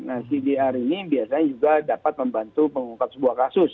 nah cdr ini biasanya juga dapat membantu mengungkap sebuah kasus